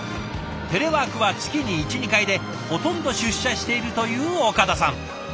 テレワークは月に１２回でほとんど出社しているという岡田さん。